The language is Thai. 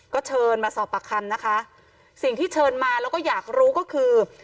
ก็เชิญมาสอบปากคำนะคะสิ่งที่เชิญมาแล้วก็อยากรู้ก็คือ